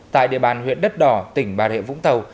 tại địa bàn huyện đất đỏ tỉnh bà rịa vũng tàu